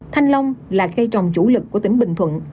thanh long là cây trồng chủ lực của tỉnh bình thuận